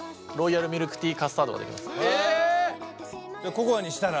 ココアにしたら？